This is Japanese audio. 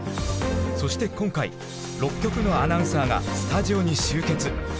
そして今回６局のアナウンサーがスタジオに集結！